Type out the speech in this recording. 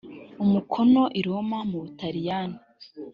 umukono i roma mu butaliyani